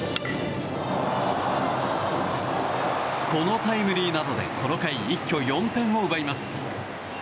このタイムリーなどでこの回、一挙４点を奪います。